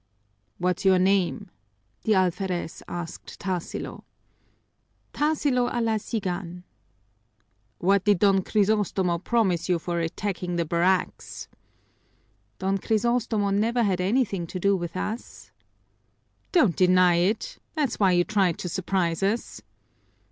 "What's your name?" the alferez asked Tarsilo. "Tarsilo Alasigan." "What did Don Crisostomo promise you for attacking the barracks?" "Don Crisostomo never had anything to do with us." "Don't deny it! That's why you tried to surprise us."